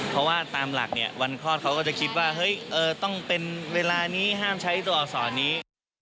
เพราะว่าตามหลักเนี่ยวันคลอดเขาก็จะคิดว่าเฮ้ยต้องเป็นเวลานี้ห้ามใช้ตัวอักษรนี้